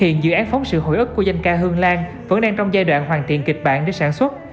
hiện dự án phóng sự hồi ức của dân ca hương lan vẫn đang trong giai đoạn hoàn thiện kịch bản để sản xuất